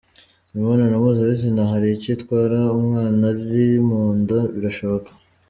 Imibonano mpuzabitsina hari icyo itwara umwana uri mu nda? Birashoboka